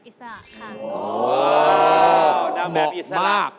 เพราะว่ารายการหาคู่ของเราเป็นรายการแรกนะครับ